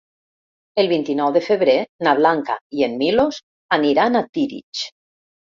El vint-i-nou de febrer na Blanca i en Milos aniran a Tírig.